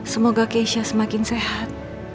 semoga keisha semakin sehat